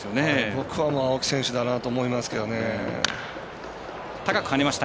僕は青木選手だなと思いますけどね。